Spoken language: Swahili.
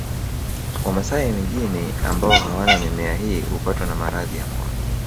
Wamasai mijini ambao hawana mimea hii hupatwa na maradhi ya moyo